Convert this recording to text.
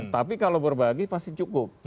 tapi kalau berbagi pasti cukup